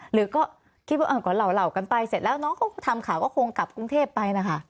หรือก็คิดว่าก่อนเหล่ากันไปเสร็จแล้วน้องเขาทำข่าวก็คงกลับกรุงเทพไปนะคะ